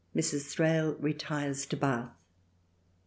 Mrs. Thrale retires to Bath.